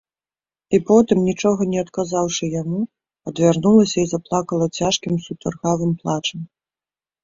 І потым, нічога не адказаўшы яму, адвярнулася і заплакала цяжкім сутаргавым плачам.